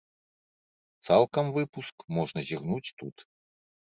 Цалкам выпуск можна зірнуць тут.